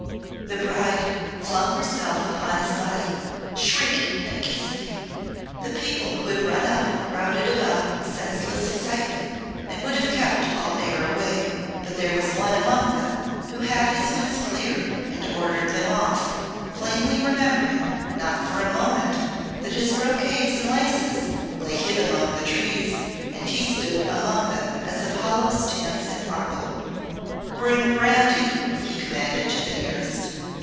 The bride flung herself upon his body, shrieking and kissing him. The people who had run up crowded about in senseless excitement and would have kept all air away. But there was one among them who had his wits clear and ordered them off, plainly remembering not for a moment that his brocades and laces lay hid among the trees, and he stood among them as Apollo stands in marble. "Bring brandy," he commanded the nearest.